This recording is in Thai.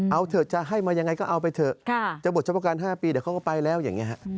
เอาเถอะจะให้มายังไงก็เอาไปเถอะจะบทเฉพาะการ๕ปีเดี๋ยวเขาก็ไปแล้วอย่างนี้ฮะ